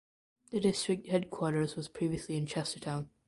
The district headquarters was previously in Chestertown.